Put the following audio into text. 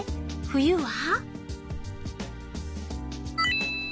冬は？